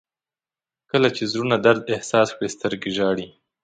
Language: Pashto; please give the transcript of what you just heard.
• کله چې زړونه درد احساس کړي، سترګې ژاړي.